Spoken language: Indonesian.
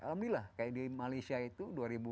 alhamdulillah kayak di malaysia itu dua ribu delapan belas